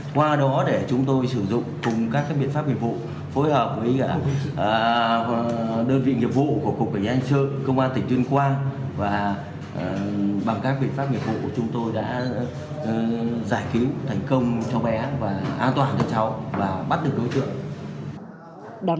qua đó để chúng tôi sử dụng cùng các biện pháp biện phụ phối hợp với đơn vị nghiệp vụ của cục bình an sơn công an tỉnh tuyên quang và bằng các biện pháp biện phụ của chúng tôi đã giải cứu thành công cho bé và an toàn cho cháu và bắt được đối tượng